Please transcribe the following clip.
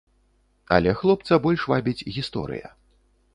Але хлопца больш вабіць гісторыя.